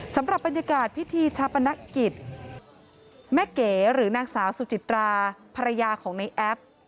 สำหรับบรรยากาศพิธีชาปนกิจแม่เก๋หรือนางสาวสุจิตราภรรยาของในแอป